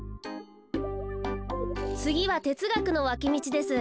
つぎはてつがくのわきみちです。